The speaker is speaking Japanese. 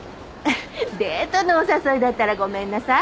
デートのお誘いだったらごめんなさい。